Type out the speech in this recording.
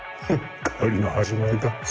狩りの始まりだ。